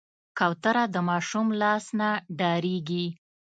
کوتره د ماشوم لاس نه ډارېږي.